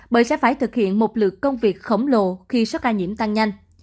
bởi sẽ phải thực hiện một lượt công việc khổng lồ khi số ca nhiễm tăng nhanh